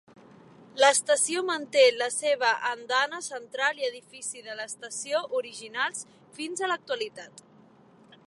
L'estació manté la seva andana central i edifici de l'estació originals fins a l'actualitat.